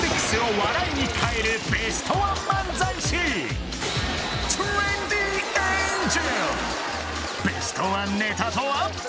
お前ベストワンネタとは？